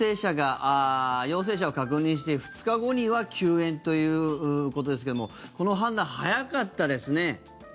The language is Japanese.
陽性者を確認して２日後には休園ということですがこの判断、早かったですね。